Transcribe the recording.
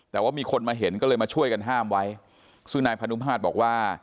แต่ว่ามีคนมาเห็นก็เลยมาช่วยกันห้ามไว้ซึ่งนายพนุมาตรบอกว่า